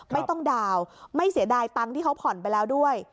ไม่ต้องดาวน์ไม่เสียดายตังค์ที่เขาผ่อนไปแล้วด้วย